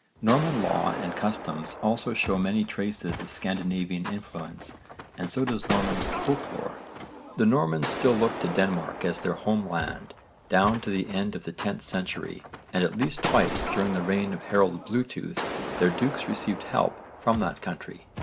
Norman law and customs also show many traces of Scandinavian influence and so does Norman folk lore. The Normans still looked to Denmark as their home land down to the end of the 10th century, and at least twice during the reign of Harold Bluetooth their Dukes received help from that country.